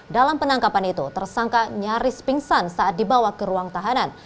dalam penangkapan itu tersangka nyaris pingsan saat dibawa ke ruang tahanan